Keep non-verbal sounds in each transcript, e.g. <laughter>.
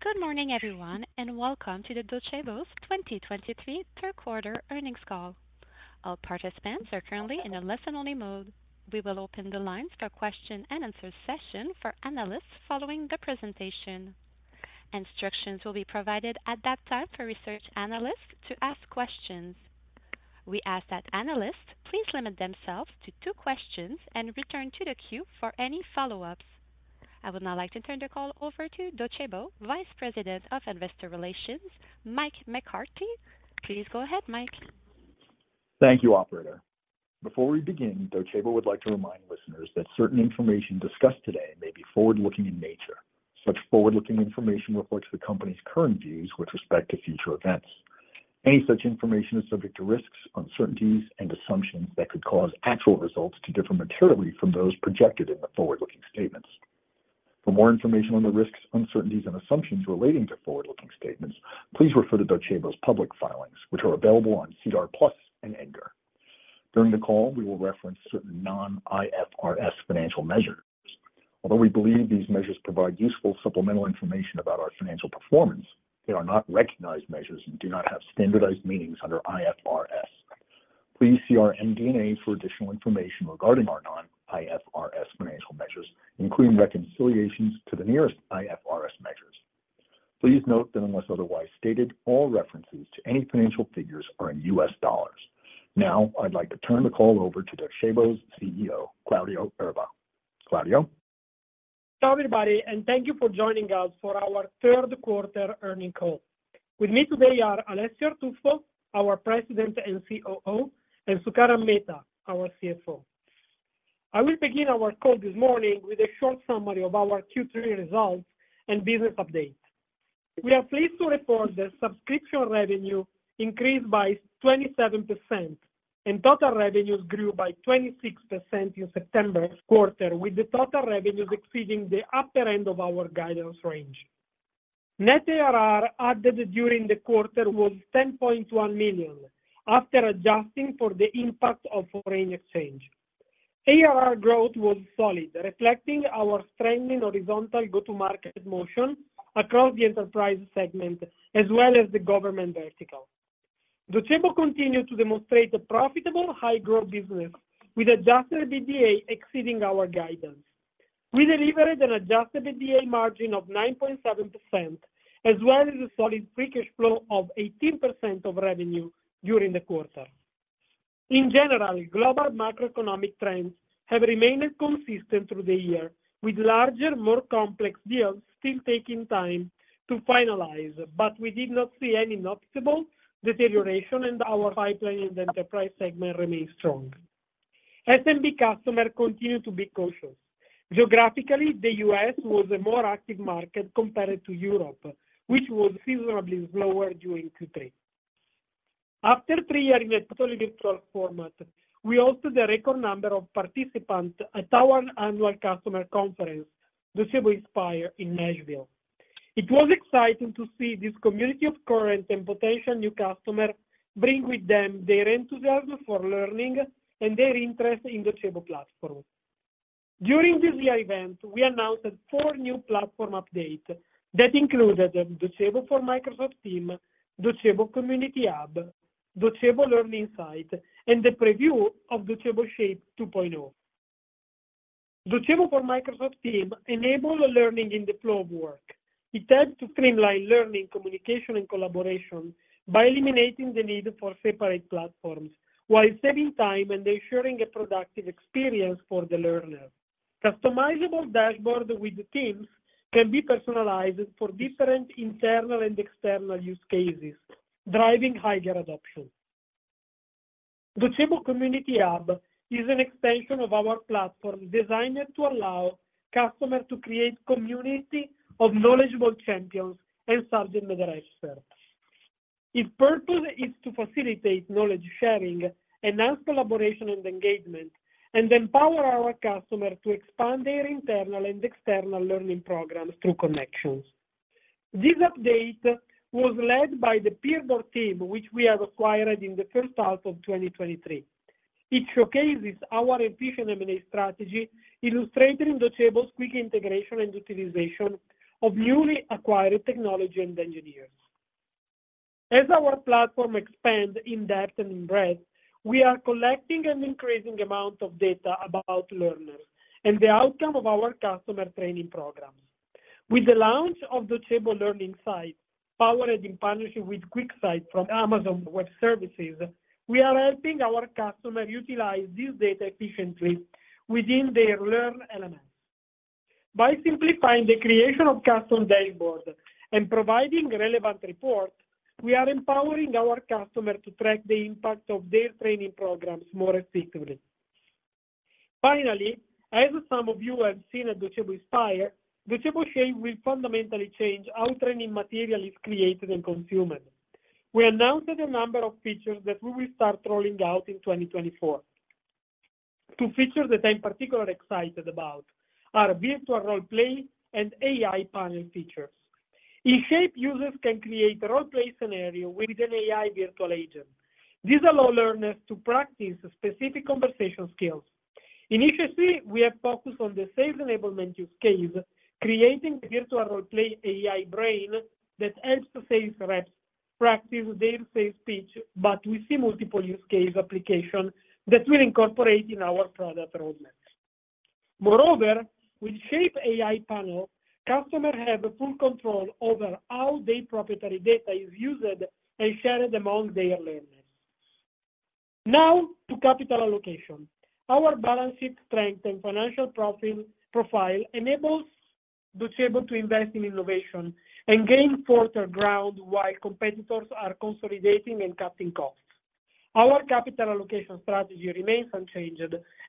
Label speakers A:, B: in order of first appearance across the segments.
A: Good morning, everyone, and welcome to the Docebo's 2023 third quarter earnings call. All participants are currently in a listen-only mode. We will open the lines for question and answer session for analysts following the presentation. Instructions will be provided at that time for research analysts to ask questions. We ask that analysts please limit themselves to two questions and return to the queue for any follow-ups. I would now like to turn the call over to Docebo Vice President of Investor Relations, Mike McCarthy. Please go ahead, Mike.
B: Thank you, Operator. Before we begin, Docebo would like to remind listeners that certain information discussed today may be forward-looking in nature. Such forward-looking information reflects the company's current views with respect to future events. Any such information is subject to risks, uncertainties, and assumptions that could cause actual results to differ materially from those projected in the forward-looking statements. For more information on the risks, uncertainties, and assumptions relating to forward-looking statements, please refer to Docebo's public filings, which are available on SEDAR+ and EDGAR. During the call, we will reference certain non-IFRS financial measures. Although we believe these measures provide useful supplemental information about our financial performance, they are not recognized measures and do not have standardized meanings under IFRS. Please see our MD&A for additional information regarding our non-IFRS financial measures, including reconciliations to the nearest IFRS measures. Please note that unless otherwise stated, all references to any financial figures are in U.S. dollars. Now, I'd like to turn the call over to Docebo's CEO, Claudio Erba. Claudio?
C: Hello, everybody, and thank you for joining us for our third quarter earnings call. With me today are Alessio Artuffo, our President and COO, and Sukaran Mehta, our CFO. I will begin our call this morning with a short summary of our Q3 results and business update. We are pleased to report that subscription revenue increased by 27%, and total revenues grew by 26% in September's quarter, with the total revenues exceeding the upper end of our guidance range. Net ARR added during the quarter was $10.1 million, after adjusting for the impact of foreign exchange. ARR growth was solid, reflecting our strengthening horizontal go-to-market motion across the enterprise segment as well as the government vertical. Docebo continued to demonstrate a profitable, high-growth business, with adjusted EBITDA exceeding our guidance. We delivered an Adjusted EBITDA margin of 9.7%, as well as a solid free cash flow of 18% of revenue during the quarter. In general, global macroeconomic trends have remained consistent through the year, with larger, more complex deals still taking time to finalize, but we did not see any noticeable deterioration, and our pipeline in the enterprise segment remains strong. SMB customer continued to be cautious. Geographically, the U.S. was a more active market compared to Europe, which was reasonably slower during Q3. After three years in a total virtual format, we hosted a record number of participants at our annual customer conference, Docebo Inspire, in Nashville. It was exciting to see this community of current and potential new customers bring with them their enthusiasm for learning and their interest in Docebo platform. During this year event, we announced four new platform update that included Docebo for Microsoft Teams, Docebo Community Hub, Docebo Learning Site, and the preview of Docebo Shape 2.0. Docebo for Microsoft Teams enable learning in the flow of work. It helps to streamline learning, communication, and collaboration by eliminating the need for separate platforms while saving time and ensuring a productive experience for the learner. Customizable dashboard with the teams can be personalized for different internal and external use cases, driving higher adoption. Docebo Community Hub is an extension of our platform designed to allow customers to create community of knowledgeable champions and subject matter experts. Its purpose is to facilitate knowledge sharing, enhance collaboration and engagement, and empower our customers to expand their internal and external learning programs through connections. This update was led by the PeerBoard team, which we have acquired in the first half of 2023. It showcases our efficient M&A strategy, illustrating Docebo's quick integration and utilization of newly acquired technology and engineers. As our platform expand in depth and in breadth, we are collecting an increasing amount of data about learners and the outcome of our customer training programs. With the launch of Docebo Learning Insights, powered in partnership with QuickSight from Amazon Web Services, we are helping our customers utilize this data efficiently within their Learn LMS. By simplifying the creation of custom dashboard and providing relevant reports, we are empowering our customers to track the impact of their training programs more effectively. Finally, as some of you have seen at Docebo Inspire, Docebo Shape will fundamentally change how training material is created and consumed. We announced a number of features that we will start rolling out in 2024. Two features that I'm particularly excited about are virtual role play and AI panel features. In Shape, users can create a role play scenario with an AI virtual agent. This allow learners to practice specific conversation skills. Initially, we are focused on the sales enablement use case, creating the virtual role play AI brain that helps the sales reps practice their sales pitch, but we see multiple use case application that we'll incorporate in our product roadmap. Moreover, with Shape AI panel, customer have full control over how their proprietary data is used and shared among their learners. Now, to capital allocation. Our balance sheet strength and financial profile, profile enables Docebo to invest in innovation and gain further ground while competitors are consolidating and cutting costs. Our capital allocation strategy remains unchanged,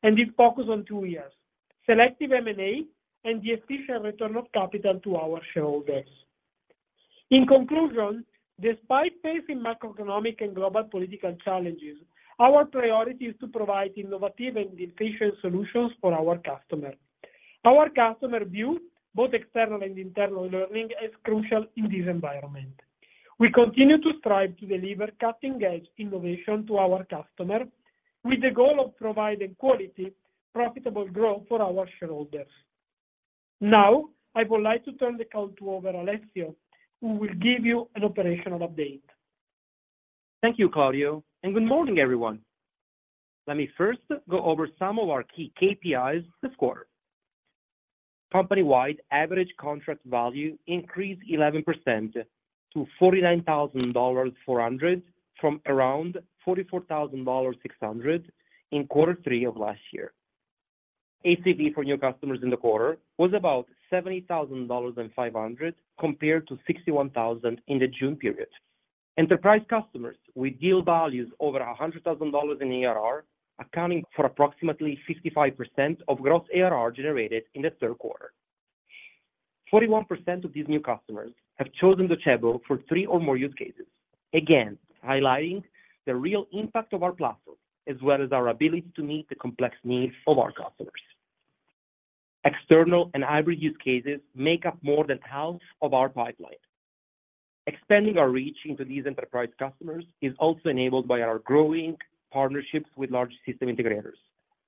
C: and it focus on two areas: selective M&A and the efficient return of capital to our shareholders. In conclusion, despite facing macroeconomic and global political challenges, our priority is to provide innovative and efficient solutions for our customer. Our customer view, both external and internal learning, is crucial in this environment. We continue to strive to deliver cutting-edge innovation to our customer, with the goal of providing quality, profitable growth for our shareholders. Now, I would like to turn the call over to Alessio, who will give you an operational update.
D: Thank you, Claudio, and good morning, everyone. Let me first go over some of our key KPIs this quarter. Company-wide average contract value increased 11% to $49,400, from around $44,600 in quarter three of last year. ACV for new customers in the quarter was about $70,500, compared to $61,000 in the June period. Enterprise customers with deal values over $100,000 in ARR, accounting for approximately 55% of gross ARR generated in the third quarter. 41% of these new customers have chosen Docebo for three or more use cases, again, highlighting the real impact of our platform, as well as our ability to meet the complex needs of our customers. External and hybrid use cases make up more than half of our pipeline. Expanding our reach into these enterprise customers is also enabled by our growing partnerships with large system integrators,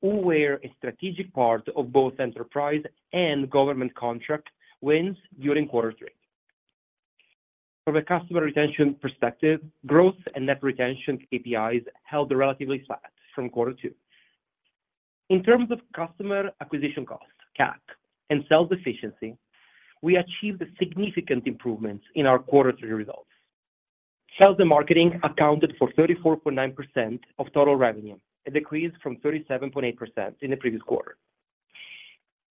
D: who were a strategic part of both enterprise and government contract wins during quarter three. From a customer retention perspective, growth and net retention KPIs held relatively flat from quarter two. In terms of customer acquisition costs, CAC, and sales efficiency, we achieved significant improvements in our quarter three results. Sales and marketing accounted for 34.9% of total revenue, a decrease from 37.8% in the previous quarter.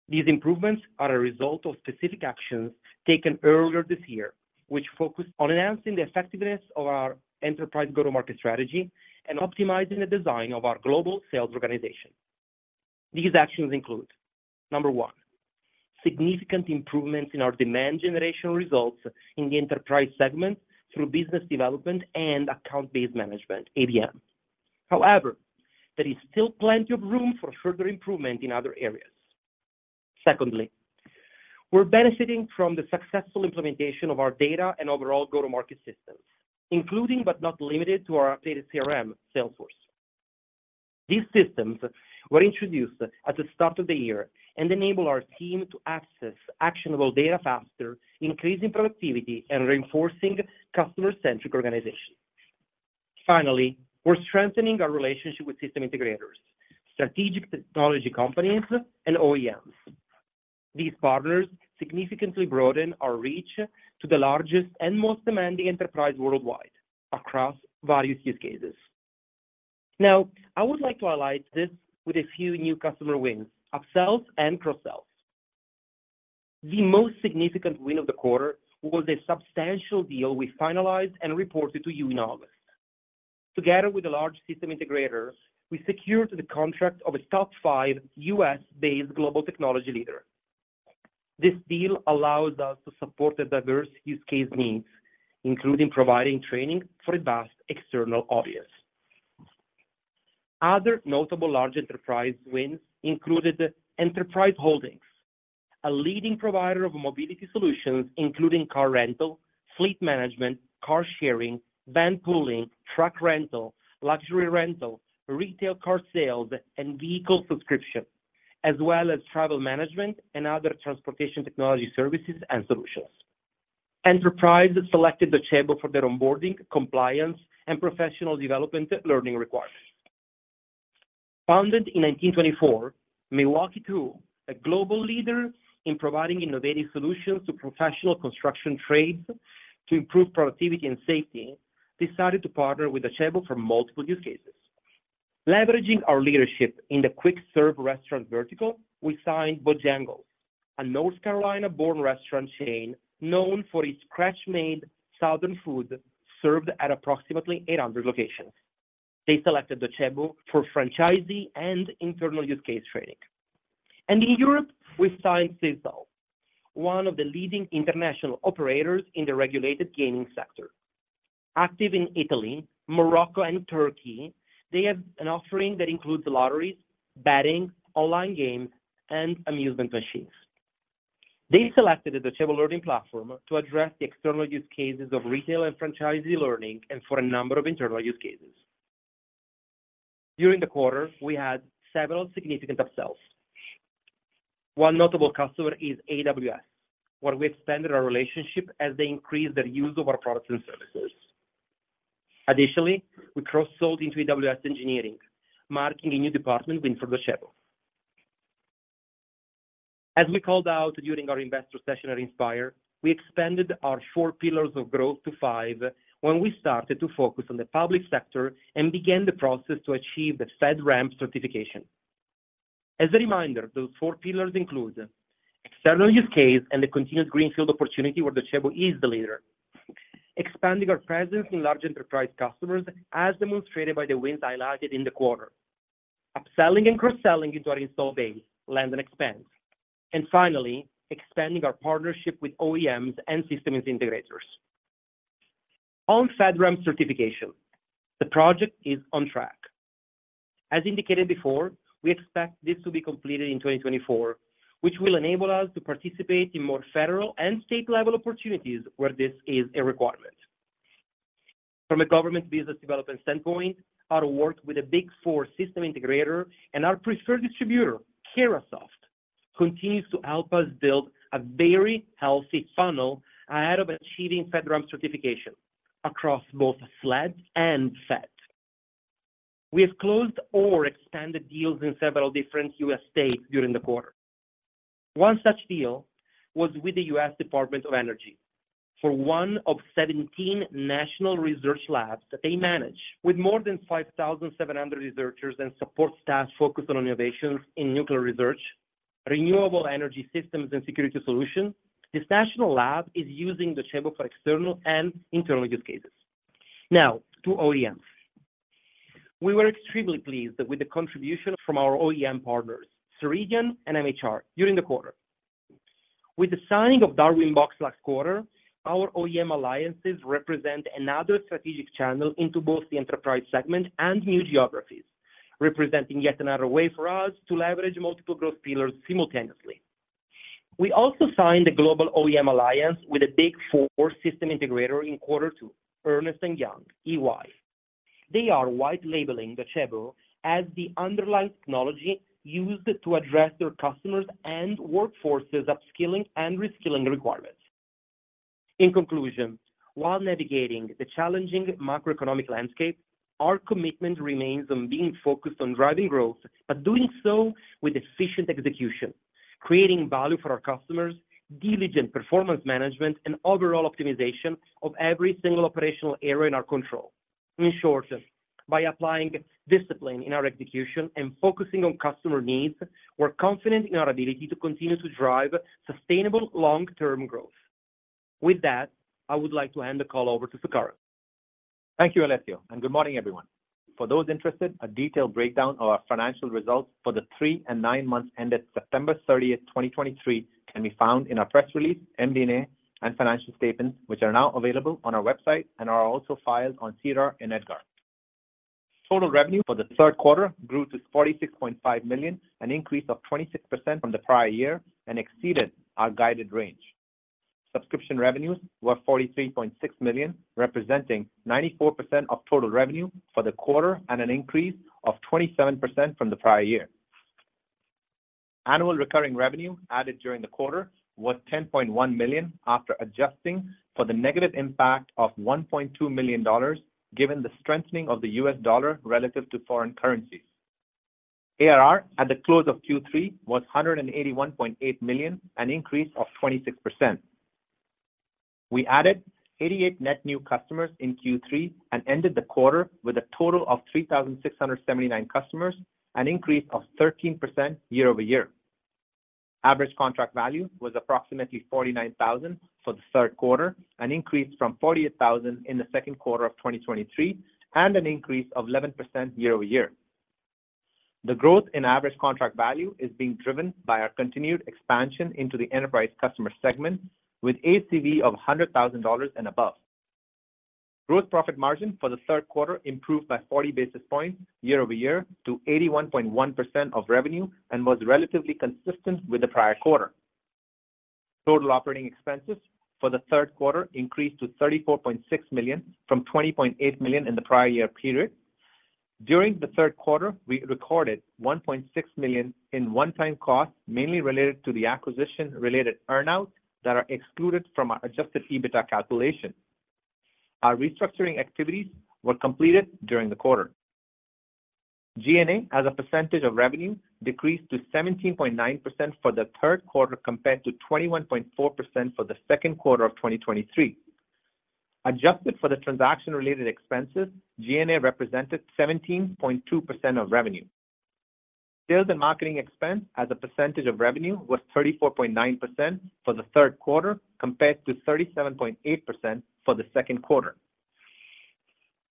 D: These improvements are a result of specific actions taken earlier this year, which focused on enhancing the effectiveness of our enterprise go-to-market strategy and optimizing the design of our global sales organization. These actions include, number one, significant improvements in our demand generation results in the enterprise segment through business development and account-based management, ABM. However, there is still plenty of room for further improvement in other areas. Secondly, we're benefiting from the successful implementation of our data and overall go-to-market systems, including, but not limited to our updated CRM Salesforce. These systems were introduced at the start of the year and enable our team to access actionable data faster, increasing productivity and reinforcing customer-centric organization. Finally, we're strengthening our relationship with system integrators, strategic technology companies, and OEMs. These partners significantly broaden our reach to the largest and most demanding enterprise worldwide across various use cases. Now, I would like to highlight this with a few new customer wins, upsells, and cross-sells. The most significant win of the quarter was a substantial deal we finalized and reported to you in August. Together with the large system integrators, we secured the contract of a top five U.S.-based global technology leader. This deal allows us to support the diverse use case needs, including providing training for a vast external audience. Other notable large enterprise wins included Enterprise Holdings, a leading provider of mobility solutions, including car rental, fleet management, car sharing, van pooling, truck rental, luxury rental, retail car sales, and vehicle subscription, as well as travel management and other transportation technology services and solutions. Enterprise selected Docebo for their onboarding, compliance, and professional development learning requirements. Founded in 1924, Milwaukee Tool, a global leader in providing innovative solutions to professional construction trades to improve productivity and safety, decided to partner with Docebo for multiple use cases. Leveraging our leadership in the quick-serve restaurant vertical, we signed Bojangles, a North Carolina-born restaurant chain known for its scratch-made southern food, served at approximately 800 locations. They selected Docebo for franchisee and internal use case training. In Europe, we signed Sisal, one of the leading international operators in the regulated gaming sector. Active in Italy, Morocco, and Turkey, they have an offering that includes lotteries, betting, online games, and amusement machines. They selected the Docebo learning platform to address the external use cases of retail and franchisee learning, and for a number of internal use cases. During the quarter, we had several significant upsells. One notable customer is AWS, where we expanded our relationship as they increased their use of our products and services. Additionally, we cross-sold into AWS engineering, marking a new department win for Docebo. As we called out during our investor session at Inspire, we expanded our four pillars of growth to five when we started to focus on the public sector and began the process to achieve the FedRAMP certification. As a reminder, those four pillars include: external use case and the continued greenfield opportunity where Docebo is the leader; expanding our presence in large enterprise customers, as demonstrated by the wins highlighted in the quarter; upselling and cross-selling into our install base, land and expand; and finally, expanding our partnership with OEMs and systems integrators. On FedRAMP certification, the project is on track. As indicated before, we expect this to be completed in 2024, which will enable us to participate in more federal and state-level opportunities where this is a requirement. From a government business development standpoint, our work with a Big Four system integrator and our preferred distributor, Carahsoft, continues to help us build a very healthy funnel ahead of achieving FedRAMP certification across both SLED and Fed. We have closed or expanded deals in several different U.S. states during the quarter. One such deal was with the U.S. Department of Energy. For one of 17 national research labs that they manage, with more than 5,700 researchers and support staff focused on innovations in nuclear research, renewable energy systems, and security solutions, this national lab is using Docebo for external and internal use cases. Now, to OEMs. We were extremely pleased with the contribution from our OEM partners, Ceridian and MHR, during the quarter. With the signing of Darwinbox last quarter, our OEM alliances represent another strategic channel into both the enterprise segment and new geographies, representing yet another way for us to leverage multiple growth pillars simultaneously. We also signed a global OEM alliance with a Big Four system integrator in quarter two, Ernst & Young, EY. They are white labeling Docebo as the underlying technology used to address their customers' and workforce's upskilling and reskilling requirements. In conclusion, while navigating the challenging macroeconomic landscape, our commitment remains on being focused on driving growth, but doing so with efficient execution, creating value for our customers, diligent performance management, and overall optimization of every single operational area in our control. In short, by applying discipline in our execution and focusing on customer needs, we're confident in our ability to continue to drive sustainable long-term growth. With that, I would like to hand the call over to Sukaran.
E: Thank you, Alessio, and good morning, everyone. For those interested, a detailed breakdown of our financial results for the three and nine months ended September 30, 2023, can be found in our press release, MD&A, and financial statements, which are now available on our website and are also filed on SEDAR and EDGAR. Total revenue for the third quarter grew to $46.5 million, an increase of 26% from the prior year and exceeded our guided range. Subscription revenues were $43.6 million, representing 94% of total revenue for the quarter and an increase of 27% from the prior year. Annual recurring revenue added during the quarter was $10.1 million after adjusting for the negative impact of $1.2 million, given the strengthening of the US dollar relative to foreign currencies. ARR at the close of Q3 was $181.8 million, an increase of 26%. We added 88 net new customers in Q3 and ended the quarter with a total of 3,679 customers, an increase of 13% year-over-year. Average contract value was approximately $49,000 for the third quarter, an increase from $48,000 in the second quarter of 2023, and an increase of 11% year-over-year. The growth in average contract value is being driven by our continued expansion into the enterprise customer segment with ACV of $100,000 and above. Gross profit margin for the third quarter improved by 40 basis points year-over-year to 81.1% of revenue, and was relatively consistent with the prior quarter. Total operating expenses for the third quarter increased to $34.6 million from $20.8 million in the prior year period. During the third quarter, we recorded $1.6 million in one-time costs, mainly related to the acquisition-related earn-out that are excluded from our Adjusted EBITDA calculation. Our restructuring activities were completed during the quarter. G&A, as a percentage of revenue, decreased to 17.9% for the third quarter, compared to 21.4% for the second quarter of 2023. Adjusted for the transaction-related expenses, G&A represented 17.2% of revenue. Sales and marketing expense as a percentage of revenue was 34.9% for the third quarter, compared to 37.8% for the second quarter.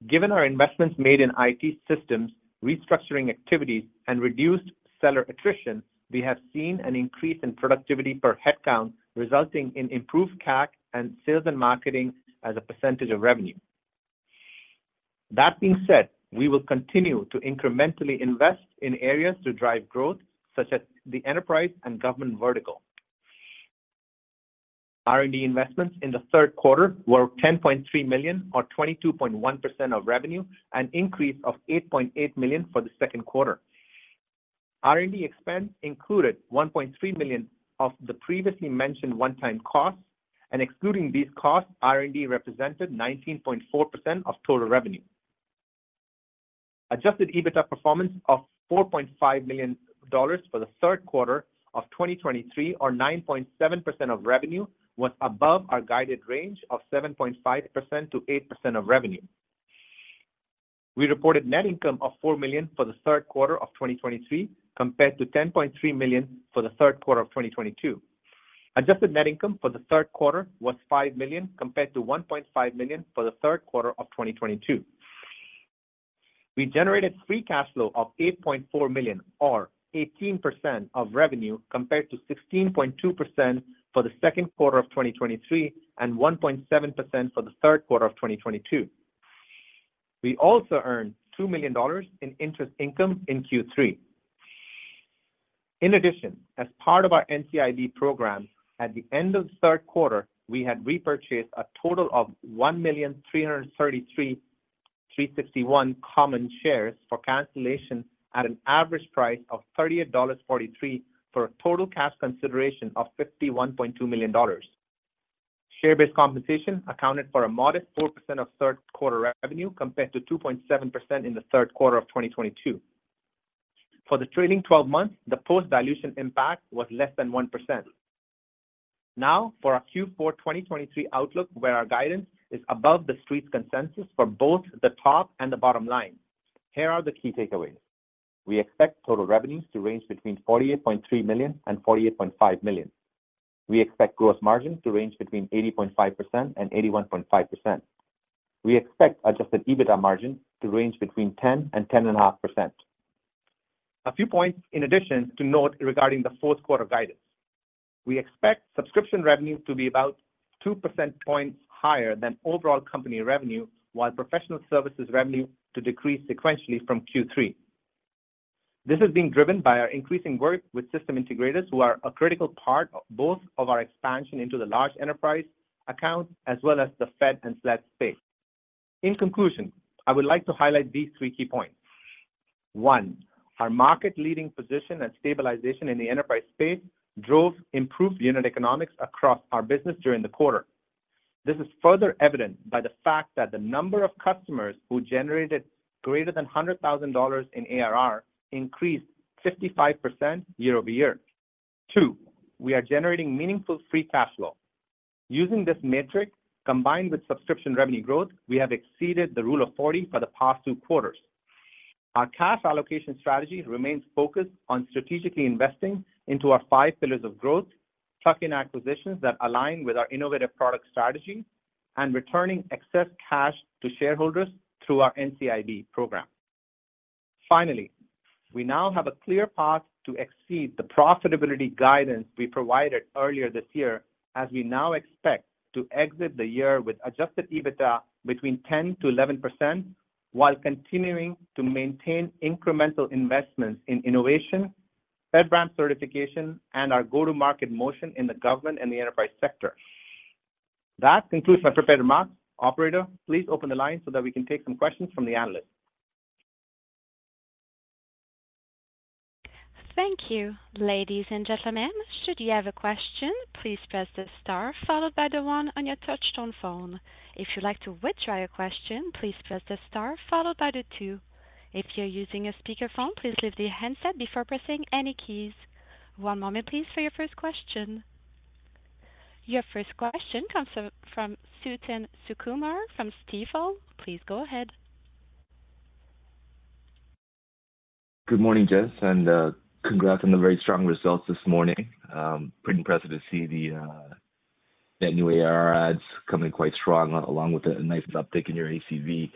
E: Given our investments made in IT systems, restructuring activities, and reduced seller attrition, we have seen an increase in productivity per headcount, resulting in improved CAC and sales and marketing as a percentage of revenue. That being said, we will continue to incrementally invest in areas to drive growth, such as the enterprise and government vertical. R&D investments in the third quarter were $10.3 million, or 22.1% of revenue, an increase of $8.8 million for the second quarter. R&D expense included $1.3 million of the previously mentioned one-time costs, and excluding these costs, R&D represented 19.4% of total revenue. Adjusted EBITDA performance of $4.5 million for the third quarter of 2023, or 9.7% of revenue, was above our guided range of 7.5%-8% of revenue. We reported net income of $4 million for the third quarter of 2023, compared to $10.3 million for the third quarter of 2022. Adjusted net income for the third quarter was $5 million, compared to $1.5 million for the third quarter of 2022. We generated free cash flow of $8.4 million, or 18% of revenue, compared to 16.2% for the second quarter of 2023, and 1.7% for the third quarter of 2022. We also earned $2 million in interest income in Q3. In addition, as part of our NCIB program, at the end of the third quarter, we had repurchased a total of 1,333,361 common shares for cancellation at an average price of $38.43, for a total cash consideration of $51.2 million. Share-based compensation accounted for a modest 4% of third quarter revenue, compared to 2.7% in the third quarter of 2022. For the trailing twelve months, the post-dilution impact was less than 1%. Now, for our Q4 2023 outlook, where our guidance is above the Street's consensus for both the top and the bottom line, here are the key takeaways. We expect total revenues to range between $48.3 million and $48.5 million. We expect gross margins to range between 80.5% and 81.5%. We expect adjusted EBITDA margin to range between 10% and 10.5%. A few points in addition to note regarding the fourth quarter guidance. We expect subscription revenue to be about two percentage points higher than overall company revenue, while professional services revenue to decrease sequentially from Q3. This is being driven by our increasing work with system integrators, who are a critical part of both of our expansion into the large enterprise accounts as well as the Fed and SLED space. In conclusion, I would like to highlight these three key points. One, our market-leading position and stabilization in the enterprise space drove improved unit economics across our business during the quarter. This is further evident by the fact that the number of customers who generated greater than $100,000 in ARR increased 55% year-over-year. Two, we are generating meaningful free cash flow. Using this metric, combined with subscription revenue growth, we have exceeded the Rule of 40 for the past two quarters. Our cash allocation strategy remains focused on strategically investing into our five pillars of growth, tuck-in acquisitions that align with our innovative product strategy, and returning excess cash to shareholders through our NCIB program. Finally, we now have a clear path to exceed the profitability guidance we provided earlier this year, as we now expect to exit the year with adjusted EBITDA between 10%-11%, while continuing to maintain incremental investments in innovation, FedRAMP certification, and our go-to-market motion in the government and the enterprise sector. That concludes my prepared remarks. Operator, please open the line so that we can take some questions from the analysts.
A: Thank you. Ladies and gentlemen, should you have a question, please press the star followed by the one on your touchtone phone. If you'd like to withdraw your question, please press the star followed by the two. If you're using a speakerphone, please lift the handset before pressing any keys. One moment please, for your first question. Your first question comes from, from Suthan Sukumar from Stifel. Please go ahead.
F: Good morning, gents, and congrats on the very strong results this morning. Pretty impressed to see the new ARR adds coming quite strong, along with a nice uptick in your ACV.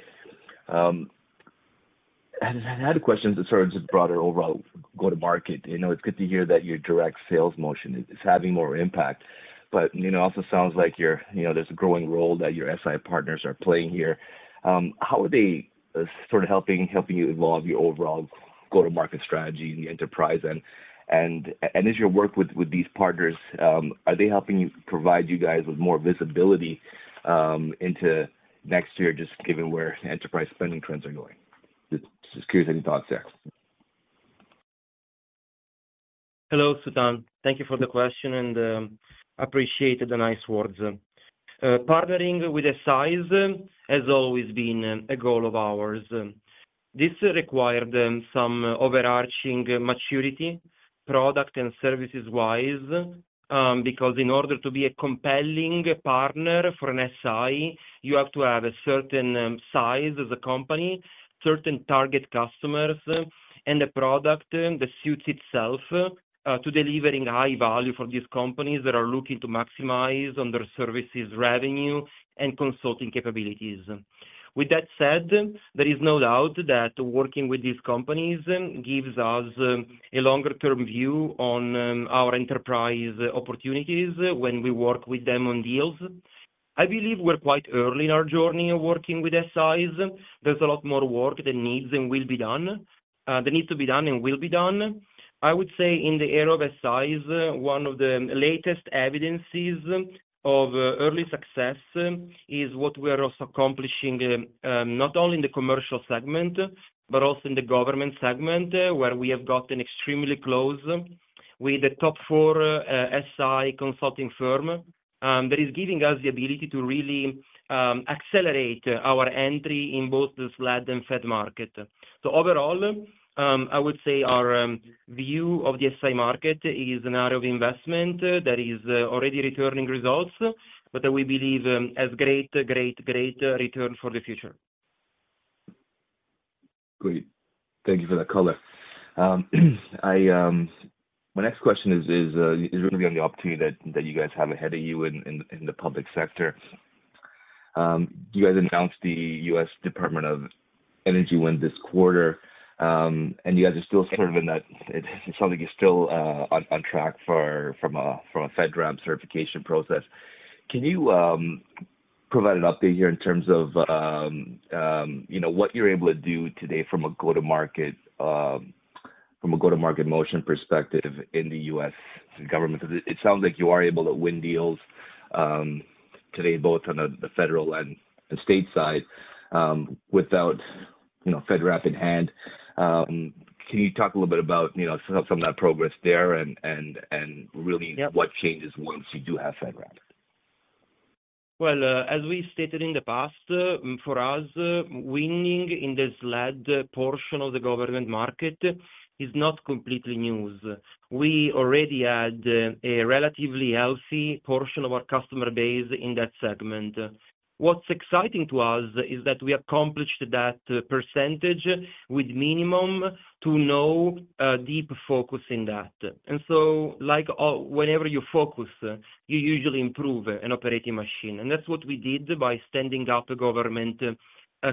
F: I had a question that's sort of just broader overall go-to-market. You know, it's good to hear that your direct sales motion is having more impact. But, you know, it also sounds like you're, you know, there's a growing role that your SI partners are playing here. How are they sort of helping you evolve your overall go-to-market strategy in the enterprise? And as you work with these partners, are they helping you provide you guys with more visibility into next year, just given where enterprise spending trends are going? Just curious on your thoughts there.
D: Hello, Suthan. Thank you for the question, and appreciate the nice words. Partnering with the SIs has always been a goal of ours. This required them some overarching maturity, product and services-wise, because in order to be a compelling partner for an SI, you have to have a certain, size as a company, certain target customers, and a product that suits itself, to delivering high value for these companies that are looking to maximize on their services revenue and consulting capabilities. With that said, there is no doubt that working with these companies gives us a longer-term view on, our enterprise opportunities when we work with them on deals. ... I believe we're quite early in our journey of working with SIs. There's a lot more work that needs to be done and will be done. I would say in the era of SIs, one of the latest evidences of early success is what we are also accomplishing not only in the commercial segment, but also in the government segment, where we have gotten extremely close with the top four SI consulting firm. That is giving us the ability to really accelerate our entry in both the SLED and Fed market. So overall, I would say our view of the SI market is an area of investment that is already returning results, but that we believe has great, great, great return for the future.
F: Great. Thank you for that color. My next question is really on the opportunity that you guys have ahead of you in the public sector. You guys announced the U.S. Department of Energy win this quarter, and you guys are still sort of in that—it sounds like you're still on track for from a FedRAMP certification process. Can you provide an update here in terms of, you know, what you're able to do today from a go-to-market motion perspective in the U.S. government? It sounds like you are able to win deals today, both on the federal and the state side, without, you know, FedRAMP in hand. Can you talk a little bit about, you know, some of that progress there and really?
D: Yeah.
F: What changes once you do have FedRAMP?
D: Well, as we stated in the past, for us, winning in the SLED portion of the government market is not completely news. We already had a relatively healthy portion of our customer base in that segment. What's exciting to us is that we accomplished that percentage with minimum to no deep focus in that. And so like all, whenever you focus, you usually improve an operating machine, and that's what we did by standing up the government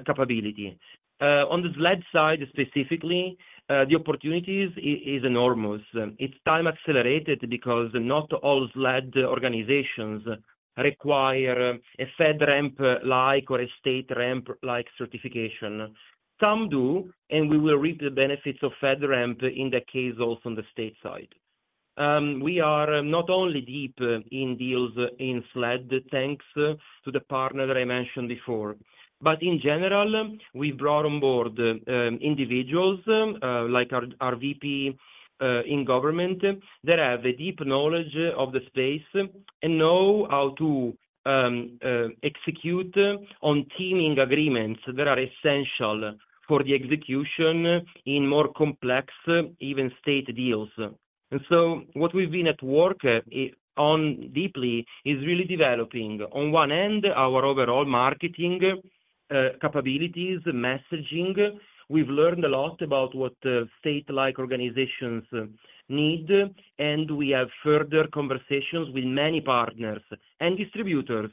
D: capability. On the SLED side, specifically, the opportunities is enormous. It's time accelerated because not all SLED organizations require a FedRAMP-like or a StateRAMP-like certification. Some do, and we will reap the benefits of FedRAMP in the case also on the state side. We are not only deep in deals in SLED, thanks to the partner that I mentioned before, but in general, we've brought on board individuals like our VP in government that have a deep knowledge of the space and know how to execute on teaming agreements that are essential for the execution in more complex, even state deals. So what we've been at work on deeply is really developing, on one end, our overall marketing capabilities, messaging. We've learned a lot about what state-like organizations need, and we have further conversations with many partners and distributors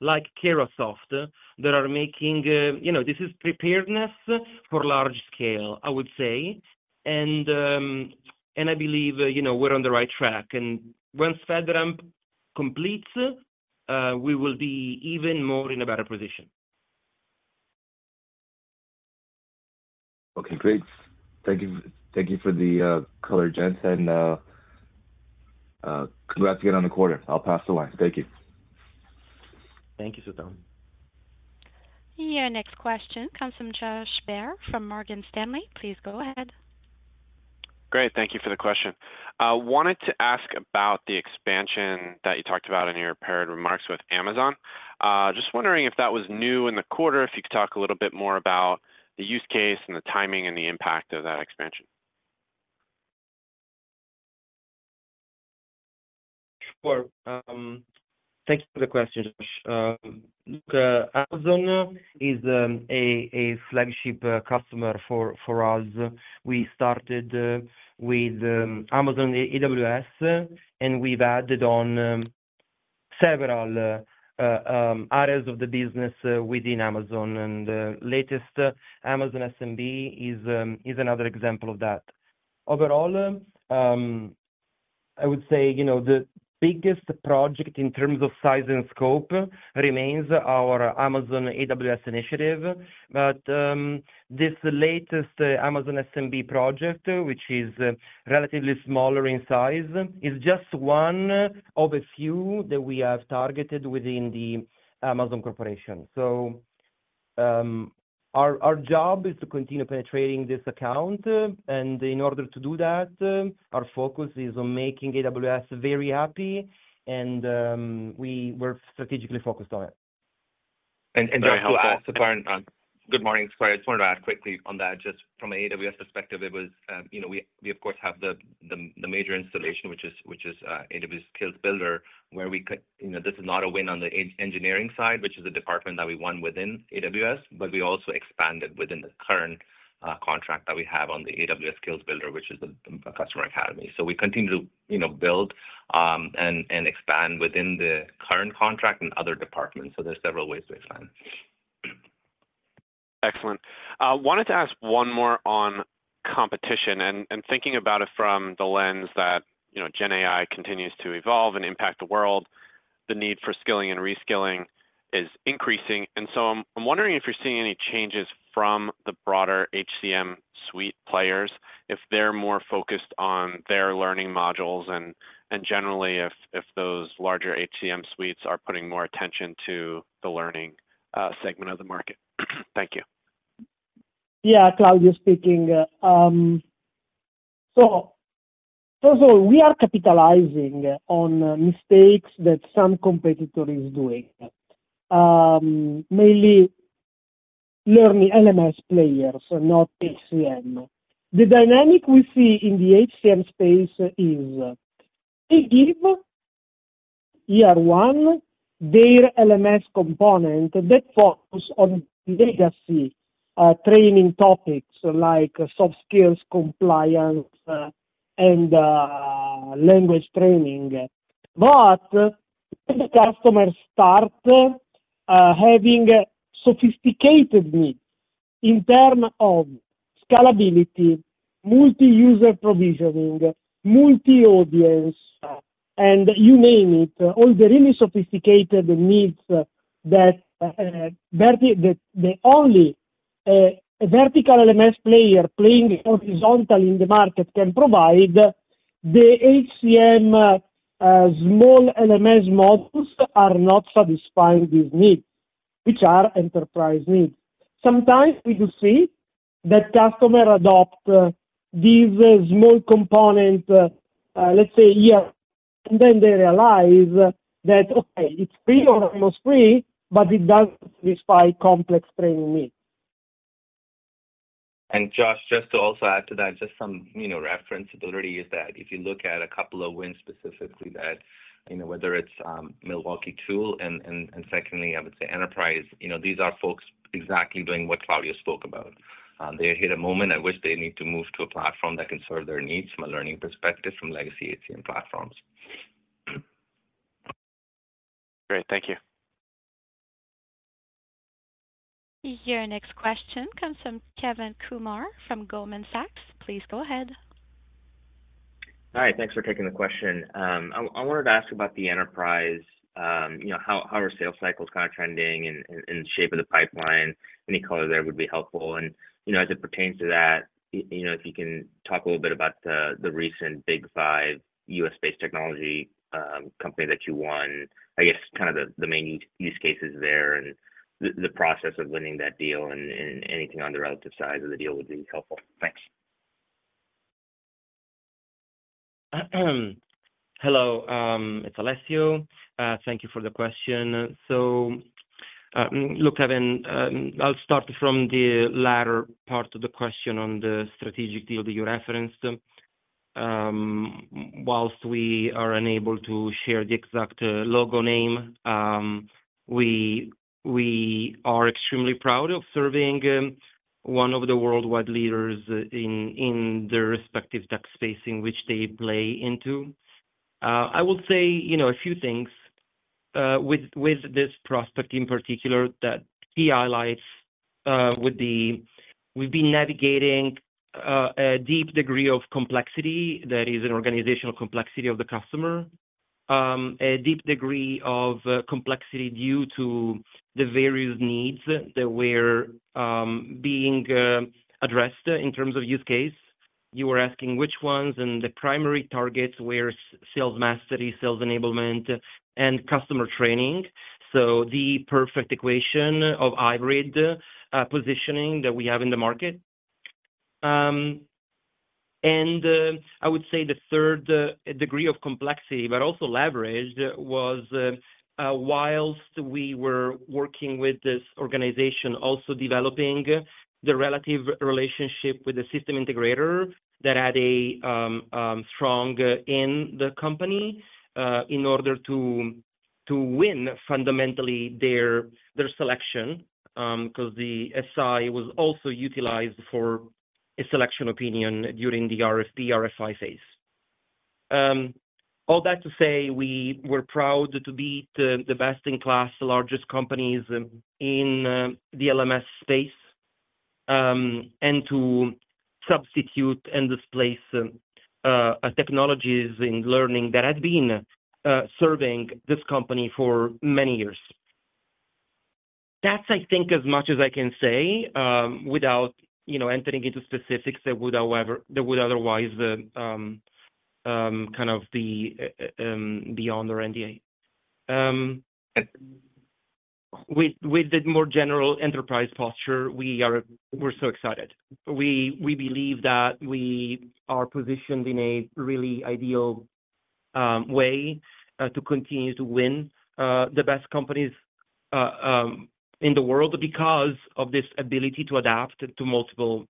D: like Carahsoft that are making. You know, this is preparedness for large scale, I would say.I believe, you know, we're on the right track, and once FedRAMP completes, we will be even more in a better position.
F: Okay, great. Thank you. Thank you for the color, gents, and congrats again on the quarter. I'll pass the line. Thank you.
D: Thank you, Suthan.
A: Your next question comes from Josh Baer from Morgan Stanley. Please go ahead.
G: Great. Thank you for the question. Wanted to ask about the expansion that you talked about in your prepared remarks with Amazon. Just wondering if that was new in the quarter. If you could talk a little bit more about the use case and the timing and the impact of that expansion.
D: Sure. Thank you for the question, Josh. Look, Amazon is a flagship customer for us. We started with Amazon AWS, and we've added on several areas of the business within Amazon, and the latest Amazon SMB is another example of that. Overall, I would say, you know, the biggest project in terms of size and scope remains our Amazon AWS initiative, but this latest Amazon SMB project, which is relatively smaller in size, is just one of a few that we have targeted within the Amazon corporation. So, our job is to continue penetrating this account, and in order to do that, our focus is on making AWS very happy, and we're strategically focused on it.
E: <audio distortion> Good morning. I just wanted to add quickly on that, just from an AWS perspective, it was, you know, we, of course, have the major installation, which is AWS Skill Builder, where we could... You know, this is not a win on the engineering side, which is a department that we won within AWS, but we also expanded within the current contract that we have on the AWS Skill Builder, which is a customer academy. So we continue to, you know, build and expand within the current contract in other departments. So there's several ways to expand. ...
G: Excellent. Wanted to ask one more on competition and thinking about it from the lens that, you know, GenAI continues to evolve and impact the world, the need for skilling and reskilling is increasing. And so I'm wondering if you're seeing any changes from the broader HCM suite players, if they're more focused on their learning modules, and generally, if those larger HCM suites are putting more attention to the learning segment of the market? Thank you.
C: Yeah, Claudio speaking. So first of all, we are capitalizing on mistakes that some competitor is doing. Mainly learning LMS players, not HCM. The dynamic we see in the HCM space is, they give year one their LMS component that focus on legacy training topics like soft skills, compliance, and language training. But when the customers start having sophisticated needs in term of scalability, multi-user provisioning, multi-audience, and you name it, all the really sophisticated needs that that only a vertical LMS player playing horizontal in the market can provide, the HCM small LMS models are not satisfying these needs, which are enterprise needs. Sometimes we could see that customer adopt these small component, let's say, yeah, and then they realize that, okay, it's free or almost free, but it doesn't satisfy complex training needs.
E: Josh, just to also add to that, just some, you know, reference ability is that if you look at a couple of wins, specifically that, you know, whether it's Milwaukee Tool and, secondly, I would say Enterprise, you know, these are folks exactly doing what Claudio spoke about. They hit a moment at which they need to move to a platform that can serve their needs from a learning perspective, from legacy HCM platforms.
G: Great, thank you.
A: Your next question comes from Kevin Kumar from Goldman Sachs. Please go ahead.
H: Hi, thanks for taking the question. I wanted to ask about the enterprise, you know, how are sales cycles kind of trending and the shape of the pipeline? Any color there would be helpful. And, you know, as it pertains to that, you know, if you can talk a little bit about the recent big five U.S.-based technology company that you won, I guess kind of the main use cases there and the process of winning that deal and anything on the relative size of the deal would be helpful. Thanks.
D: Hello, it's Alessio. Thank you for the question. So, look, Kevin, I'll start from the latter part of the question on the strategic deal that you referenced. While we are unable to share the exact logo name, we are extremely proud of serving one of the worldwide leaders in their respective tech space in which they play into. I will say, you know, a few things with this prospect in particular that he highlights. We've been navigating a deep degree of complexity that is an organizational complexity of the customer. A deep degree of complexity due to the various needs that were being addressed in terms of use case. You were asking which ones, and the primary targets were sales mastery, sales enablement, and customer training. So the perfect equation of hybrid positioning that we have in the market. And I would say the third degree of complexity, but also leveraged, was whilst we were working with this organization, also developing the relative relationship with the system integrator that had a strong in the company, in order to win fundamentally their selection. Because the SI was also utilized for a selection opinion during the RFP/RFI phase. All that to say, we were proud to beat the best-in-class, largest companies in the LMS space, and to substitute and displace technologies in learning that had been serving this company for many years. That's, I think, as much as I can say, without, you know, entering into specifics that would, however, that would otherwise, kind of be, beyond our NDA. With, with the more general enterprise posture, we are... We're so excited. We, we believe that we are positioned in a really ideal, way, to continue to win, the best companies, in the world because of this ability to adapt to multiple,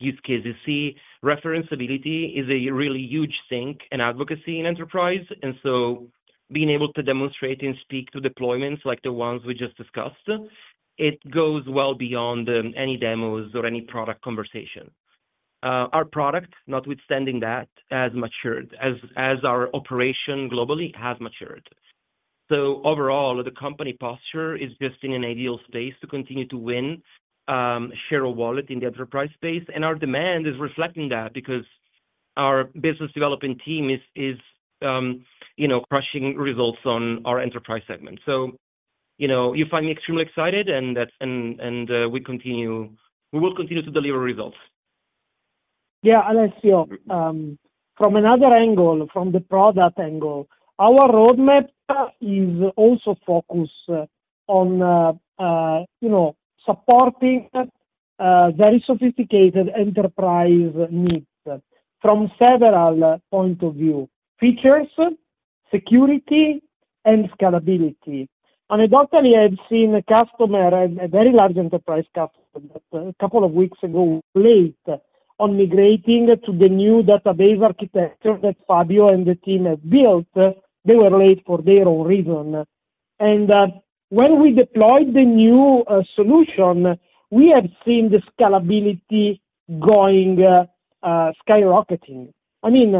D: use cases. See, reference ability is a really huge thing in advocacy in enterprise, and so being able to demonstrate and speak to deployments like the ones we just discussed, it goes well beyond, any demos or any product conversation. Our product, notwithstanding that, has matured, as, as our operation globally has matured. ... So overall, the company posture is just in an ideal space to continue to win share of wallet in the enterprise space. And our demand is reflecting that because our business development team is you know crushing results on our enterprise segment. So, you know, you find me extremely excited, and that's and we will continue to deliver results.
C: Yeah, Alessio, from another angle, from the product angle, our roadmap is also focused on, you know, supporting very sophisticated enterprise needs from several point of view: features, security, and scalability. Anecdotally, I've seen a customer, a very large enterprise customer, that a couple of weeks ago, late on migrating to the new database architecture that Fabio and the team have built. They were late for their own reason. And, when we deployed the new solution, we have seen the scalability going skyrocketing. I mean,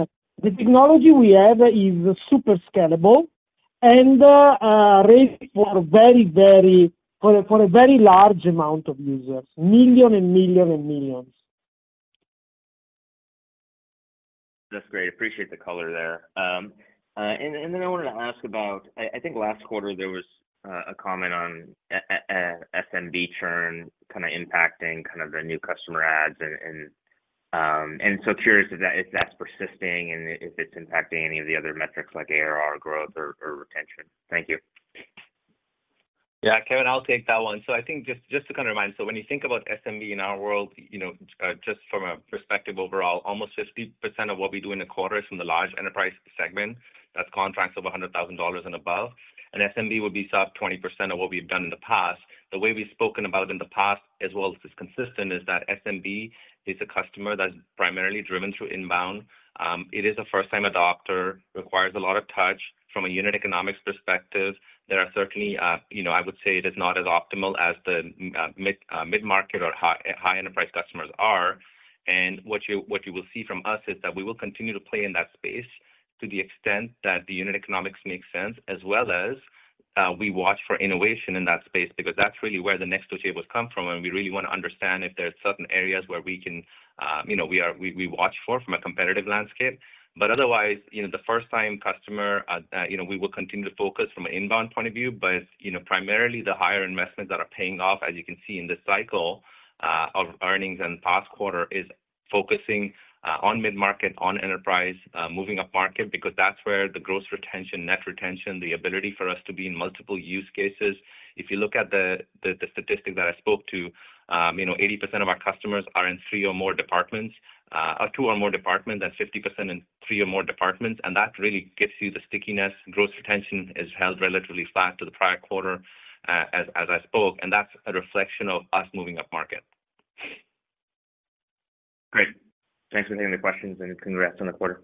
C: the technology we have is super scalable and ready for very, very- for a, for a very large amount of users, million and million and millions.
H: That's great. Appreciate the color there. And then I wanted to ask about, I think last quarter there was a comment on a SMB churn kinda impacting the new customer adds and. And so curious if that's persisting and if it's impacting any of the other metrics like ARR growth or retention. Thank you.
E: Yeah, Kevin, I'll take that one. So I think just, just to kind of remind, so when you think about SMB in our world, you know, just from a perspective overall, almost 50% of what we do in the quarter is from the large enterprise segment. That's contracts of $100,000 and above. And SMB will be sub 20% of what we've done in the past. The way we've spoken about it in the past, as well as it's consistent, is that SMB is a customer that's primarily driven through inbound. It is a first-time adopter, requires a lot of touch. From a unit economics perspective, there are certainly, you know, I would say it is not as optimal as the mid-market or high enterprise customers are. And what you, what you will see from us is that we will continue to play in that space to the extent that the unit economics makes sense, as well as, we watch for innovation in that space, because that's really where the next two tables come from, and we really want to understand if there are certain areas where we can, you know, we watch for from a competitive landscape. But otherwise, you know, the first-time customer, you know, we will continue to focus from an inbound point of view. But, you know, primarily the higher investments that are paying off, as you can see in this cycle of earnings and past quarter, is focusing on mid-market, on enterprise, moving upmarket, because that's where the gross retention, net retention, the ability for us to be in multiple use cases. If you look at the statistic that I spoke to, you know, 80% of our customers are in three or more departments, or two or more departments, and 50% in three or more departments, and that really gets you the stickiness. Gross retention is held relatively flat to the prior quarter, as I spoke, and that's a reflection of us moving upmarket.
H: Great. Thanks for taking the questions, and congrats on the quarter.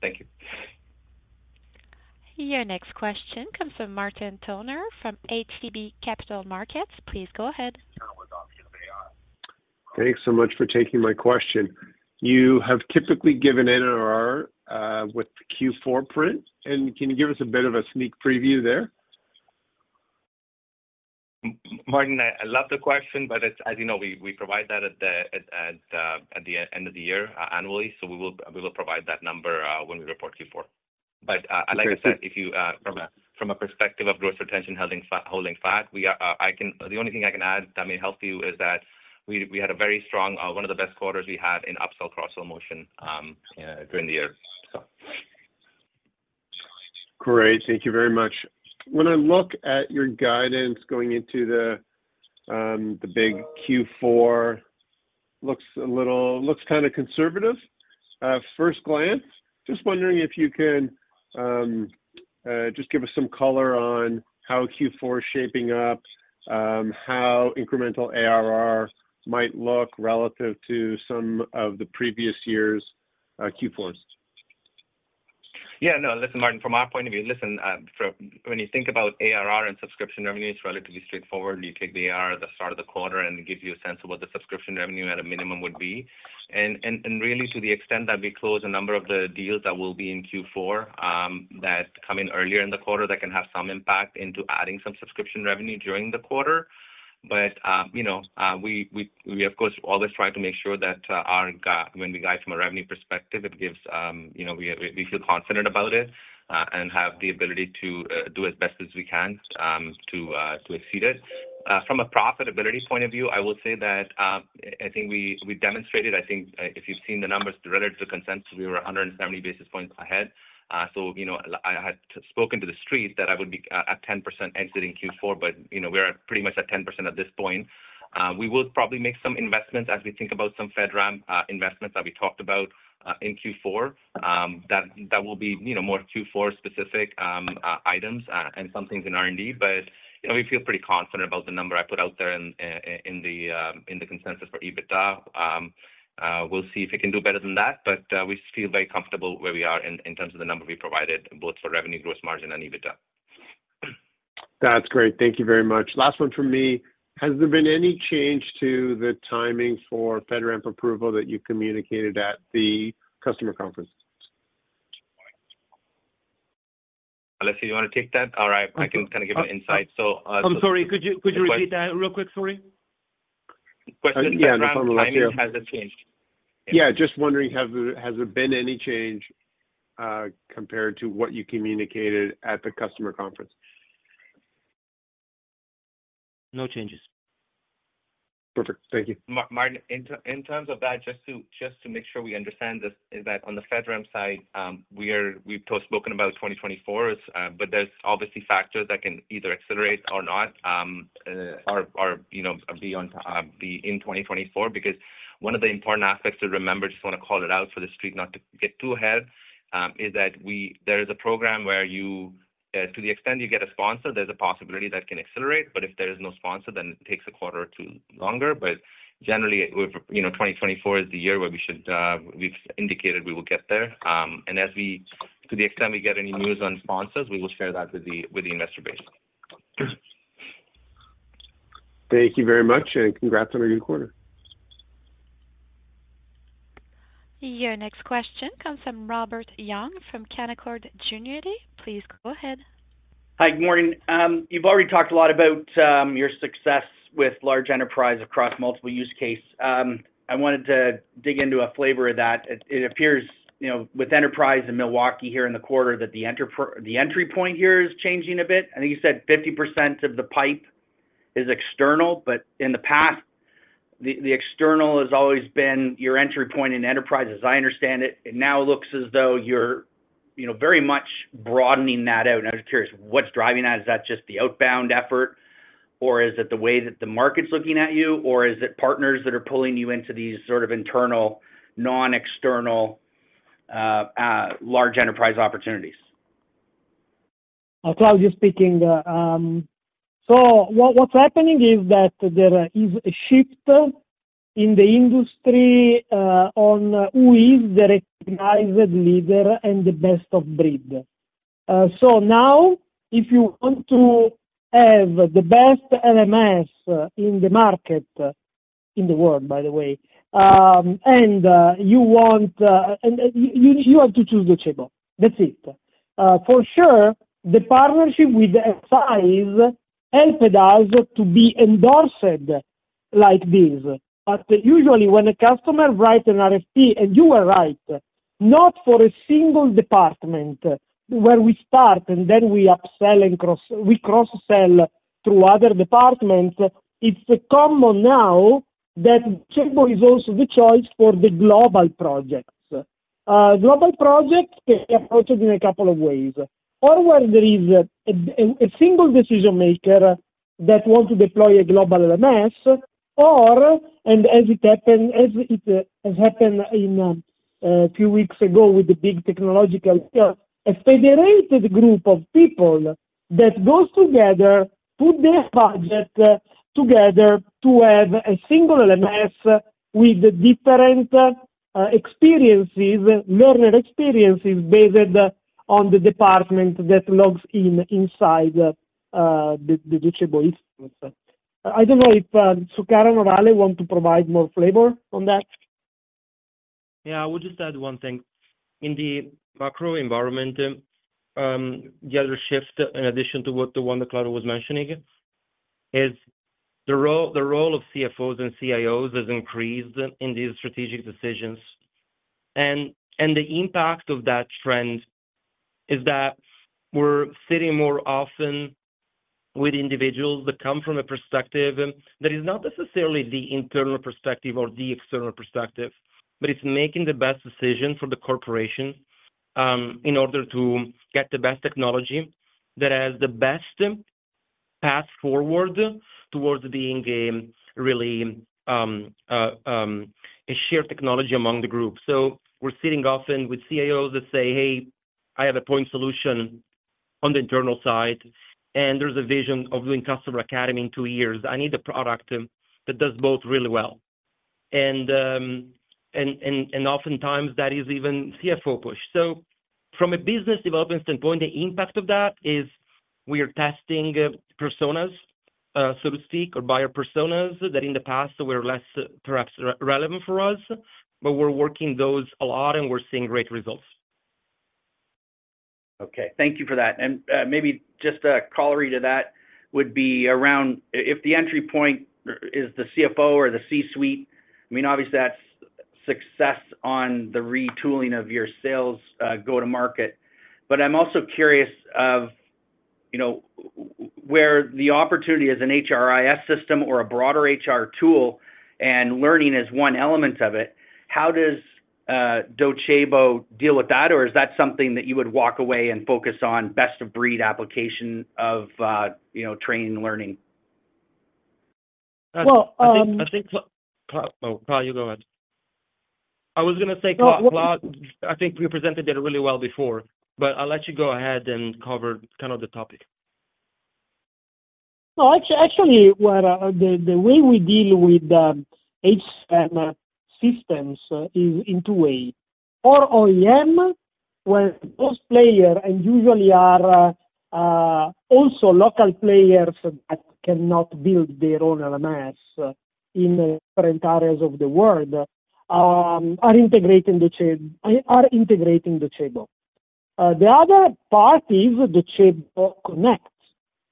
E: Thank you.
A: Your next question comes from Martin Toner from ATB Capital Markets. Please go ahead.
I: Thanks so much for taking my question. You have typically given ARR, with the Q4 print, and can you give us a bit of a sneak preview there?
E: Martin, I love the question, but as you know, we provide that at the end of the year, annually. So we will provide that number when we report Q4. But like I said, if you from a perspective of gross retention, holding flat, we are... I can... The only thing I can add that may help you is that we had a very strong, one of the best quarters we had in upsell, cross-sell motion, during the year. So.
I: Great. Thank you very much. When I look at your guidance going into the big Q4, looks kinda conservative at first glance. Just wondering if you can just give us some color on how Q4 is shaping up, how incremental ARR might look relative to some of the previous year's Q4s.
E: Yeah. No, listen, Martin, from our point of view, listen, from when you think about ARR and subscription revenue, it's relatively straightforward. You take the ARR at the start of the quarter, and it gives you a sense of what the subscription revenue at a minimum would be. And really to the extent that we close a number of the deals that will be in Q4, that come in earlier in the quarter, that can have some impact into adding some subscription revenue during the quarter. But, you know, we, of course, always try to make sure that, our guidance when we guide from a revenue perspective, it gives, you know, we, we feel confident about it, and have the ability to, do as best as we can, to exceed it. From a profitability point of view, I will say that I think we, we demonstrated, I think, if you've seen the numbers relative to consensus, we were 100 basis points ahead. So, you know, I, I had spoken to the street that I would be at 10% exiting Q4, but, you know, we are pretty much at 10% at this point. We will probably make some investments as we think about some FedRAMP investments that we talked about in Q4. That, that will be, you know, more Q4 specific items and some things in R&D. But, you know, we feel pretty confident about the number I put out there in the consensus for EBITDA. We'll see if we can do better than that, but we feel very comfortable where we are in terms of the number we provided, both for revenue, gross margin, and EBITDA....
I: That's great. Thank you very much. Last one from me. Has there been any change to the timing for FedRAMP approval that you communicated at the customer conference?
E: Alessio, you wanna take that? Or I can kind of give an insight. So,
D: I'm sorry, could you, could you repeat that real quick? Sorry?
E: Question, FedRAMP timing, has it changed?
I: Yeah, just wondering, has there been any change compared to what you communicated at the customer conference?
D: No changes.
I: Perfect. Thank you.
D: Martin, in terms of that, just to make sure we understand this, is that on the FedRAMP side, we've spoken about 2024, but there's obviously factors that can either accelerate or not, or, you know, be on, be in 2024. Because one of the important aspects to remember, just wanna call it out for the street, not to get too ahead, is that we, there is a program where you, to the extent you get a sponsor, there's a possibility that can accelerate, but if there is no sponsor, then it takes a quarter or two longer. But generally, we've, you know, 2024 is the year where we should, we've indicated we will get there. And as we, to the extent we get any news on sponsors, we will share that with the investor base.
I: Thank you very much, and congrats on a good quarter.
A: Your next question comes from Robert Young, from Canaccord Genuity. Please go ahead.
J: Hi, good morning. You've already talked a lot about your success with large enterprise across multiple use cases. I wanted to dig into a flavor of that. It appears, you know, with enterprise in Milwaukee here in the quarter, that the entry point here is changing a bit. I think you said 50% of the pipe is external, but in the past, the external has always been your entry point in enterprise, as I understand it. It now looks as though you're, you know, very much broadening that out, and I'm just curious, what's driving that? Is that just the outbound effort, or is it the way that the market's looking at you, or is it partners that are pulling you into these sort of internal, non-external large enterprise opportunities?
C: Claudio speaking. So what's happening is that there is a shift in the industry on who is the recognized leader and the best of breed. So now, if you want to have the best LMS in the market, in the world, by the way, and you want... and you have to choose Docebo. That's it. For sure, the partnership with Sisal helped us to be endorsed like this. But usually when a customer writes an RFP, and you are right, not for a single department where we start and then we upsell and cross-sell through other departments. It's common now that Docebo is also the choice for the global projects. Global projects approached in a couple of ways, or where there is a single decision maker that want to deploy a global LMS, or and as it happened, as it has happened a few weeks ago with the big technological scale, a federated group of people that goes together, put their budget together to have a single LMS with different learner experiences based on the department that logs in inside the Docebo instance. I don't know if Sukaran or Ale want to provide more flavor on that.
D: Yeah, I would just add one thing. In the macro environment, the other shift, in addition to the one that Claudio was mentioning, is the role of CFOs and CIOs has increased in these strategic decisions. And the impact of that trend is that we're sitting more often with individuals that come from a perspective that is not necessarily the internal perspective or the external perspective, but it's making the best decision for the corporation in order to get the best technology that has the best path forward towards being a really shared technology among the group. So we're sitting often with CIOs that say, "Hey, I have a point solution on the internal side, and there's a vision of doing customer academy in two years. I need a product that does both really well." And oftentimes that is even CFO push. So from a business development standpoint, the impact of that is we are testing personas, so to speak, or buyer personas, that in the past were less perhaps relevant for us, but we're working those a lot, and we're seeing great results.
J: Okay, thank you for that. And, maybe just a corollary to that would be around if the entry point is the CFO or the C-suite, I mean, obviously, that's success on the retooling of your sales, go-to-market. But I'm also curious of, you know, where the opportunity as an HRIS system or a broader HR tool, and learning is one element of it, how does Docebo deal with that? Or is that something that you would walk away and focus on best-of-breed application of, you know, training and learning?
C: Well, um-
D: I think, Claudio, go ahead. I was gonna say, Clau, I think we presented it really well before, but I'll let you go ahead and cover kind of the topic.
C: No, actually, the way we deal with HCM systems is in two ways. Or OEM, where those players and usually are also local players that cannot build their own LMS in different areas of the world are integrating the Docebo. The other part is the Docebo Connect.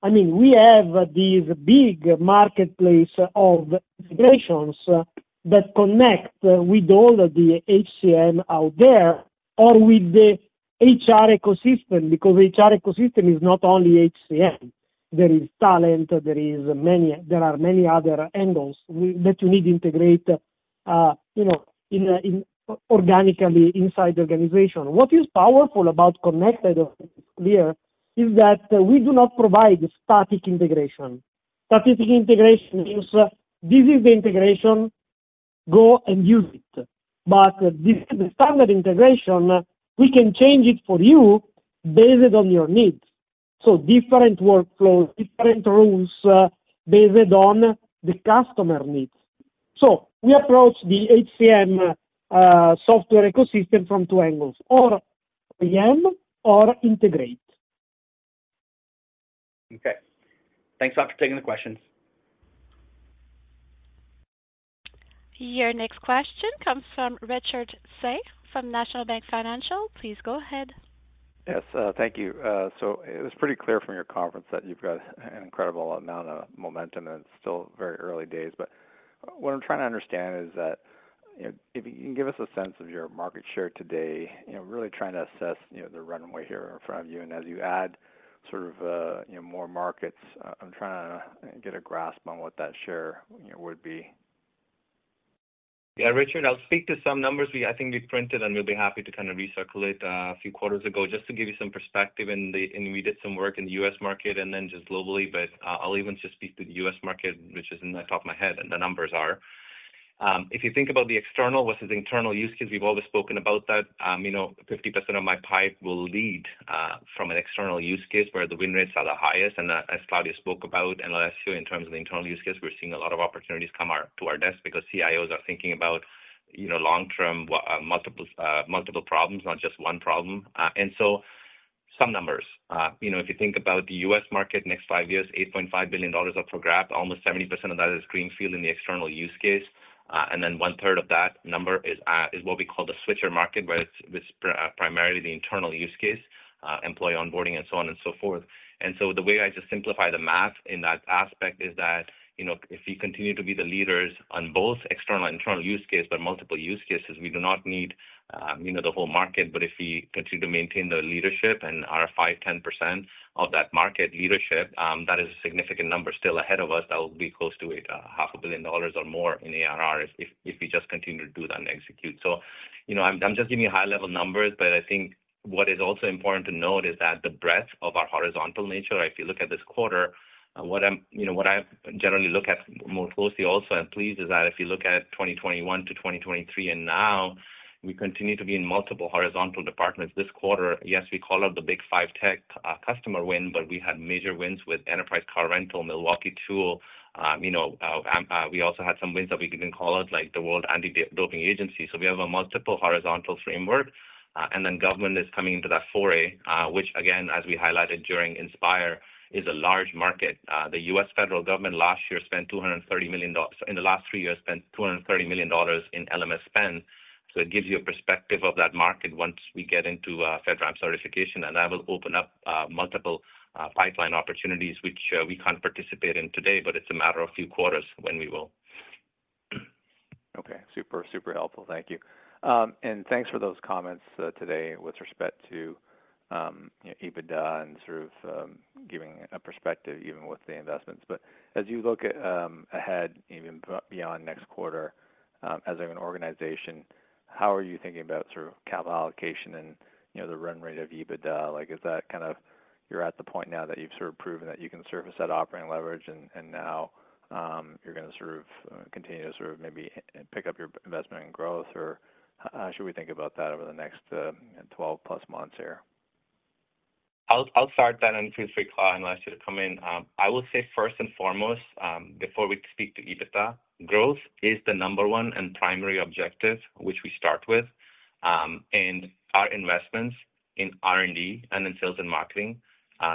C: I mean, we have these big marketplace of integrations that connect with all of the HCM out there or with the HR ecosystem, because HR ecosystem is not only HCM. There is talent, there are many other angles that you need to integrate, you know, organically inside the organization. What is powerful about connected view is that we do not provide static integration. Static integration means this is the integration, go and use it, but this is the standard integration, we can change it for you based on your needs. So different workflows, different rules, based on the customer needs. So we approach the HCM software ecosystem from two angles, or OEM or integrate.
J: Okay. Thanks a lot for taking the questions.
A: Your next question comes from Richard Tse from National Bank Financial. Please go ahead.
K: Yes, thank you. So it was pretty clear from your conference that you've got an incredible amount of momentum, and it's still very early days. But what I'm trying to understand is that, if you can give us a sense of your market share today, you know, really trying to assess, you know, the runway here in front of you. And as you add sort of, you know, more markets, I'm trying to get a grasp on what that share, you know, would be.
E: Yeah, Richard, I'll speak to some numbers. We - I think we printed, and we'll be happy to kind of recirculate a few quarters ago, just to give you some perspective in the... and we did some work in the U.S. market and then just globally, but I'll even just speak to the U.S. market, which is in the top of my head, and the numbers are: If you think about the external versus internal use case, we've always spoken about that. You know, 50% of my pipe will lead from an external use case where the win rates are the highest, and as Claudio spoke about, in terms of the internal use case, we're seeing a lot of opportunities come to our desk because CIOs are thinking about, you know, long-term multiple problems, not just one problem. And so some numbers. You know, if you think about the U.S. market, next five years, $8.5 billion up for grab. Almost 70% of that is greenfield in the external use case. And then 1/3 of that number is what we call the switcher market, where it's primarily the internal use case, employee onboarding and so on and so forth. And so the way I just simplify the math in that aspect is that, you know, if we continue to be the leaders on both external internal use case, but multiple use cases, we do not need, you know, the whole market. But if we continue to maintain the leadership and our 5%-10% of that market leadership, that is a significant number still ahead of us. That will be close to $8.5 billion or more in ARR if we just continue to do that and execute. So, you know, I'm just giving you high-level numbers, but I think what is also important to note is that the breadth of our horizontal nature, if you look at this quarter, what I'm, you know, what I generally look at more closely also, and pleased, is that if you look at 2021 to 2023, and now we continue to be in multiple horizontal departments. This quarter, yes, we call out the big five tech customer win, but we had major wins with Enterprise Car Rental, Milwaukee Tool. You know, we also had some wins that we can call out, like the World Anti-Doping Agency. So we have a multiple horizontal framework, and then government is coming into that foray, which again, as we highlighted during Inspire, is a large market. The U.S. federal government last year spent $230 million—in the last three years, spent $230 million in LMS spend. So it gives you a perspective of that market once we get into FedRAMP certification, and that will open up multiple pipeline opportunities, which we can't participate in today, but it's a matter of few quarters when we will.
K: Okay. Super, super helpful. Thank you. Thanks for those comments today with respect to you know, EBITDA and sort of giving a perspective even with the investments. But as you look ahead, even beyond next quarter, as an organization, how are you thinking about sort of capital allocation and, you know, the run rate of EBITDA? Like, is that kind of you're at the point now that you've sort of proven that you can service that operating leverage, and now you're going to sort of continue to sort of maybe pick up your investment in growth, or how should we think about that over the next 12+ months here?
E: I'll start that, and feel free, Claudio, and Alessio to come in. I will say first and foremost, before we speak to EBITDA, growth is the number one and primary objective, which we start with, and our investments in R&D and in sales and marketing,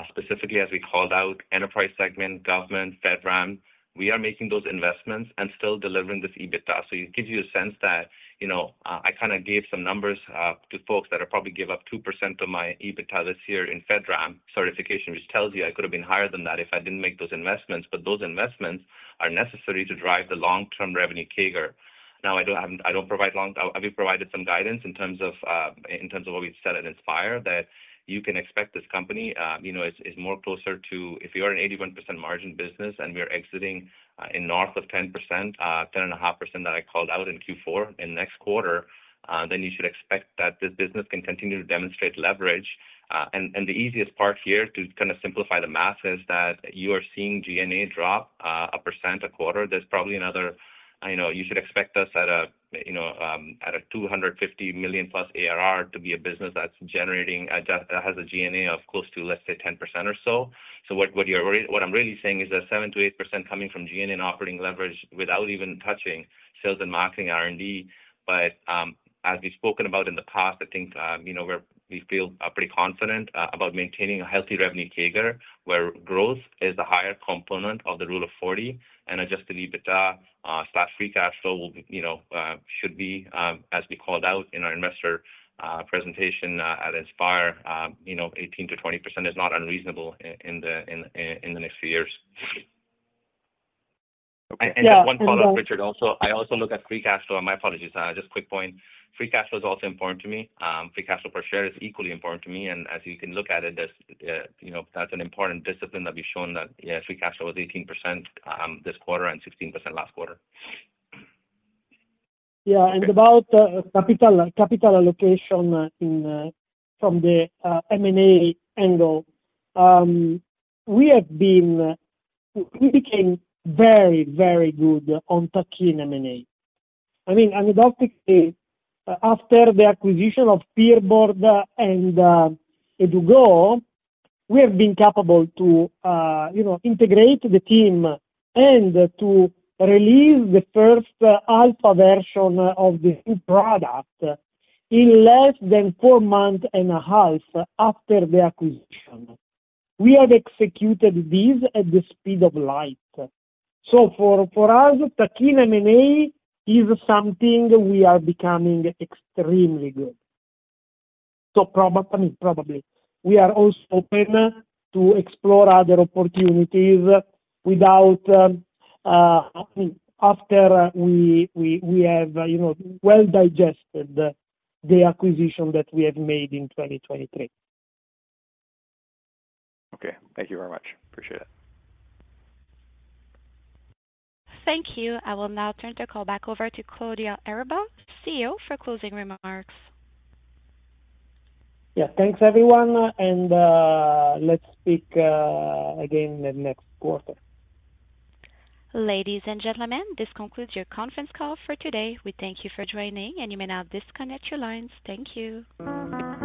E: specifically as we called out, enterprise segment, government, FedRAMP, we are making those investments and still delivering this EBITDA. So it gives you a sense that, you know, I kind of gave some numbers to folks that I probably give up 2% of my EBITDA this year in FedRAMP certification, which tells you I could have been higher than that if I didn't make those investments, but those investments are necessary to drive the long-term revenue CAGR. Now, I don't provide long-term guidance. I've provided some guidance in terms of what we've said at Inspire, that you can expect this company, you know, is more closer to if you are an 81% margin business and we are exiting in north of 10%, 10.5% that I called out in Q4 and next quarter, then you should expect that this company can continue to demonstrate leverage. And the easiest part here to kind of simplify the math is that you are seeing G&A drop 1% a quarter. There's probably another... I know you should expect us at a, you know, at a $250 million+ ARR to be a business that's generating, that, that has a G&A of close to, let's say, 10% or so. So what, what you're really-- what I'm really saying is that 7%-8% coming from G&A and operating leverage without even touching sales and marketing R&D. But, as we've spoken about in the past, I think, you know, we're, we feel, pretty confident about maintaining a healthy revenue CAGR, where growth is the higher component of the Rule of 40. Adjusted EBITDA slash free cash flow will be, you know, should be, as we called out in our investor presentation at Inspire, you know, 18%-20% is not unreasonable in the next few years.
C: Yeah, and then-
E: Just one follow-up, Richard. Also, I also look at free cash flow. My apologies, just quick point. Free cash flow is also important to me. Free cash flow per share is equally important to me, and as you can look at it, as, you know, that's an important discipline that we've shown that, yeah, free cash flow was 18% this quarter and 16% last quarter.
C: Yeah, and about capital allocation from the M&A angle. We have been, we became very, very good on tuck-in M&A. I mean, anecdotally, after the acquisition of PeerBoard and Edugo, we have been capable to integrate the team and to release the first alpha version of the new product in less than four months and a half after the acquisition. We have executed this at the speed of light. So for us, tuck-in M&A is something we are becoming extremely good. So probably, I mean, probably. We are also open to explore other opportunities without, after we have well digested the acquisition that we have made in 2023.
K: Okay, thank you very much. Appreciate it.
A: Thank you. I will now turn the call back over to Claudio Erba, CEO, for closing remarks.
C: Yeah. Thanks, everyone, and let's speak again the next quarter.
A: Ladies and gentlemen, this concludes your conference call for today. We thank you for joining, and you may now disconnect your lines. Thank you.